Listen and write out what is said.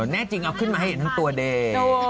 แน่จริงเอาขึ้นมาให้เห็นทั้งตัวเดย์